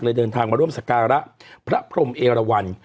เลยเดินทางมาร่วมศักราะพระพรหมเอลวัน